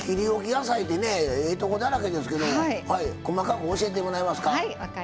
野菜でねええとこだらけですけど細かく教えてもらえますか？